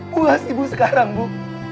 puas ibu sekarang ibu